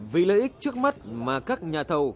vì lợi ích trước mắt mà các nhà thầu